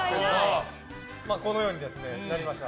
このようになりました。